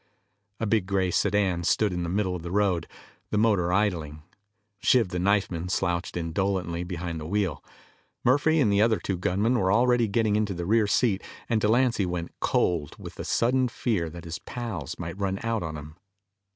A big gray sedan stood in the middle of the road, the motor idling. Shiv the knifeman slouched indolently behind the wheel. Murphy and the other two gunmen were already getting into the rear seat, and Delancy went cold with the sudden fear that his pals might run out on him.